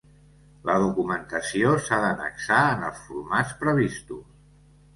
La documentació s'ha d'annexar en els formats previstos.